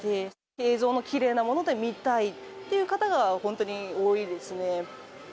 映像のきれいなもので見たいっていう方が本当に多いですね。